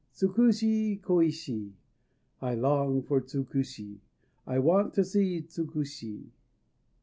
Tsukushi koïshi!_ ("I long for Tsukushi! I want to see Tsukushi!")